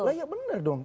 lah iya bener dong